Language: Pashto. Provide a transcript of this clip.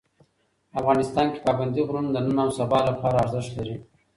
افغانستان کې پابندي غرونه د نن او سبا لپاره ارزښت لري.